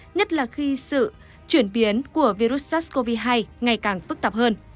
nhất là khi sự chuyển biến của virus sars cov hai ngày càng phức tạp hơn